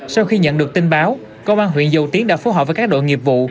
sau khi nhận được tin báo công an huyện dầu tiến đã phối hợp với các đội nghiệp vụ